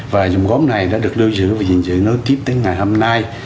và dòng góm này đã được lưu giữ và giành giữ nối tiếp tới ngày hôm nay